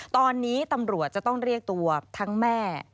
ตอนนี้ตำรวจจะต้องเรียกตัวทั้งแม่